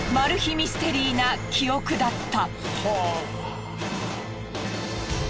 ミステリーな記憶だった。